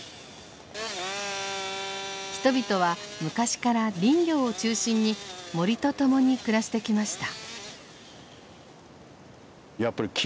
人々は昔から林業を中心に森と共に暮らしてきました。